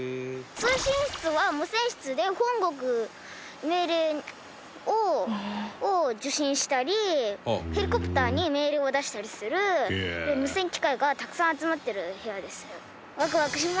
通信室は無線室で本国の命令を受信したりヘリコプターに命令を出したりする無線機械がたくさん集まってる部屋ですね。